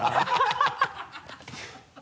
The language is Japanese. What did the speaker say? ハハハ